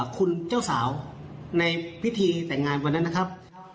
คุณเจ้าสาวในพิธีแต่งงานวันนั้นนะครับ